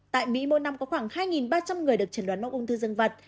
tại mỹ mỗi năm có khoảng hai ba trăm linh người được chẩn đoán mắc ung thư dân vật